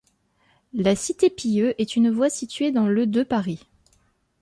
La cité Pilleux est une voie située dans le de Paris.